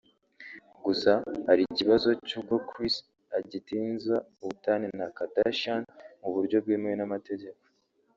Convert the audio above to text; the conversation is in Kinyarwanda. Gusa hari ikibazo cy’uko Kris agitinza ubutane na Kardashian mu buryo bwemewe n’amategeko